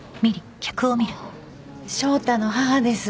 あっ翔太の母です